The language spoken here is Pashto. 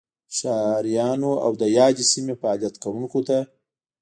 ښاریانو او دیادې سیمې فعالیت کوونکو ته